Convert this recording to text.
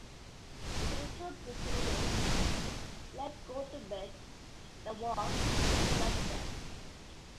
It includes the singles "Let's Go to Bed", "The Walk" and "The Lovecats".